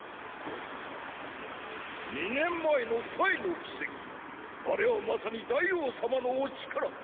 二年前の“の奇跡”あれはまさに大王様のお力。